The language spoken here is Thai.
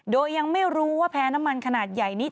โดยยังไม่รู้ว่าแพ้น้ำมันขนาดใหญ่นี้